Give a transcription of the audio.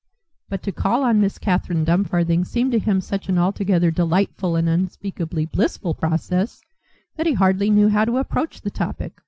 But to call on Miss Catherine Dumfarthing seemed to him such an altogether delightful and unspeakably blissful process that he hardly knew how to approach the topic.